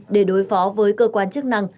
để đối phó với cơ quan chức năng